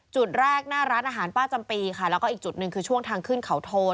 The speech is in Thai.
จุดแรกหน้าร้านอาหารป้าจำปีค่ะแล้วก็อีกจุดหนึ่งคือช่วงทางขึ้นเขาโทน